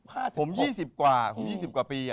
ผม๒๐กว่าผม๒๐กว่าปี